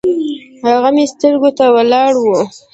هغه مې سترګو ته ولاړه وه